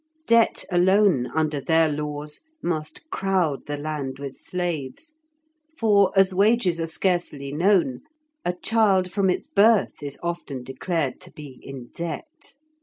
Debt alone under their laws must crowd the land with slaves, for, as wages are scarcely known, a child from its birth is often declared to be in debt.